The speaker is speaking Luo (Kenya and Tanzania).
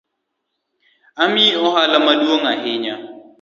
Imiya ohala maduong’ ahinya